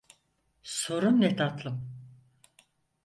Sorun ne tatlım?